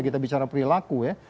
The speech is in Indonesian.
kita bicara perilaku ya